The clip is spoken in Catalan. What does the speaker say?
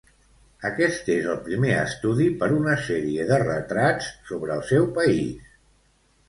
Aquest és el primer estudi per una sèrie de retrats sobre el seu país.